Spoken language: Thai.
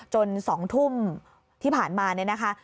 ๒ทุ่มที่ผ่านมาเนี่ยนะคะ